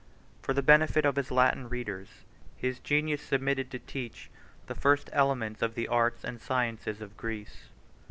For the benefit of his Latin readers, his genius submitted to teach the first elements of the arts and sciences of Greece.